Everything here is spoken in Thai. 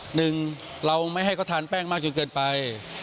หนึ่งเราไม่ให้เขาทานแป้งมากจนเกินไป